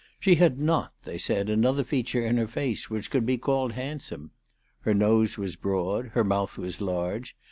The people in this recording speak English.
She had not, they said, another feature in her face which could be called handsome. Her nose was broad. He'r mouth was large.